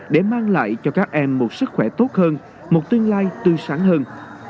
để mang lại cho các em một sức khỏe tốt hơn một tương lai tươi sáng hơn